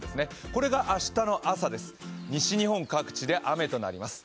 これが明日の朝、西日本各地で雨となります。